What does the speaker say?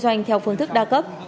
tình doanh theo phương thức đa cấp